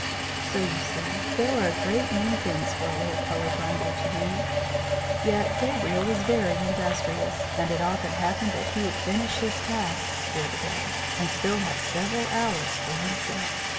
So you see there were a great many things for a little colour grinder to do; yet Gabriel was very industrious, and it often happened that he would finish his tasks for the day, and still have several hours to himself.